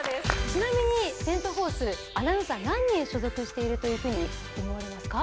ちなみにセント・フォースアナウンサー何人所属しているというふうに思われますか？